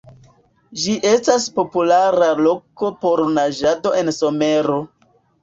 Ĝi estas populara loko por naĝado en somero.